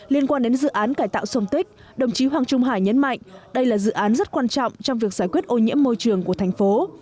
liên quan đến dự án cải tạo sông tích đồng chí hoàng trung hải nhấn mạnh đây là dự án rất quan trọng trong việc giải quyết ô nhiễm môi trường của thành phố